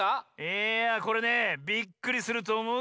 いやこれねビックリするとおもうぜ。